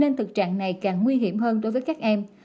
nên thực trạng này càng nguy hiểm hơn đối với các em